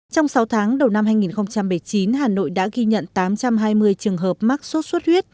trong sáu tháng đầu năm hai nghìn một mươi chín hà nội đã ghi nhận tám trăm hai mươi trường hợp mắc sốt xuất huyết